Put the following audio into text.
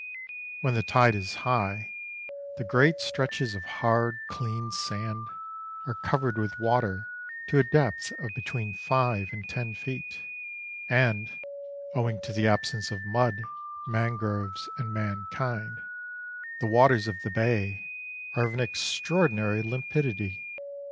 When the tide is high, the great stretches of hard, clean sand are covered with water to a depth of between five and ten feet, and, owing to the absence of mud, mangroves, and mankind, the waters of the bay are of an extraordinary limpidity.